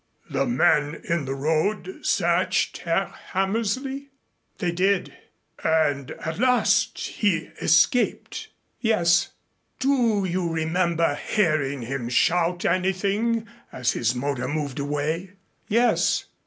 "The men in the road searched Herr Hammersley?" "They did." "And at last he escaped?" "Yes." "Do you remember hearing him shout anything as his motor moved away?" "Yes."